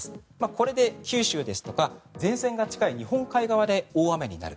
これで九州ですとか前線が近い日本海側で大雨になる。